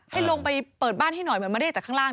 ให้ลงไปเปิดบ้านให้หน่อยเหมือนมาเรียกจากข้างล่าง